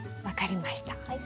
分かりました。